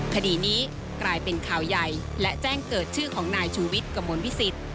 คดีนี้กลายเป็นข่าวใหญ่และแจ้งเกิดชื่อของนายชูวิทย์กระมวลวิสิต